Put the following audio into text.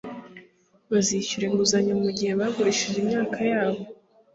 bazishyura inguzanyo mugihe bagurishije imyaka yabo